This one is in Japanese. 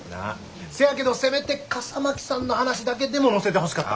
せやけどせめて笠巻さんの話だけでも載せてほしかった。